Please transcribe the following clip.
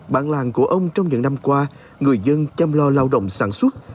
bản làng của ông trong những năm qua người dân chăm lo lao động sản xuất